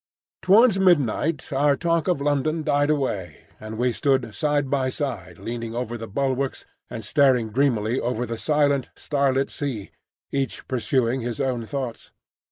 Towards midnight our talk of London died away, and we stood side by side leaning over the bulwarks and staring dreamily over the silent, starlit sea, each pursuing his own thoughts.